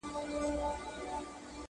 هوښ له سره د چا ځي چي یې لیدلې٫